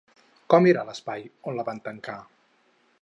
Com era l'espai on la van tancar?